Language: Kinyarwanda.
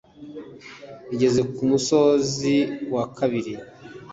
Igeze ku musozi wa kabiri,